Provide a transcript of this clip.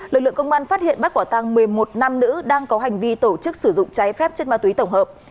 lực lượng công an phát hiện bắt quả tăng một mươi một nam nữ đang có hành vi tổ chức sử dụng trái phép chất ma túy tổng hợp